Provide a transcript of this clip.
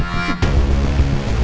saya mau ke rumah